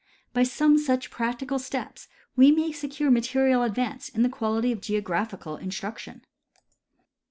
By some such practical steps we may secure a material advance in the quality of geographical instruction.